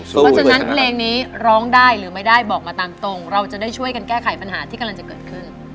เพราะฉะนั้นเพลงนี้ร้องได้หรือไม่ได้บอกมาตามตรงเราจะได้ช่วยกันแก้ไขปัญหาที่กำลังจะเกิดขึ้น